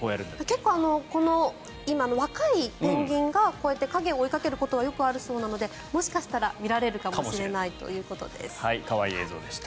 結構今、若いペンギンがこうやって影を追いかけることはよくあるそうなのでもしかしたら見られるかもしれないということです。